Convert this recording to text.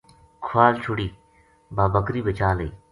کھوال چھُڑی با بکری بچا لئی